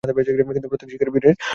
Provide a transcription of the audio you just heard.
কিন্তু প্রত্যেক শিকারী বীরের মতো মরে।